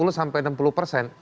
empat puluh sampai enam puluh persen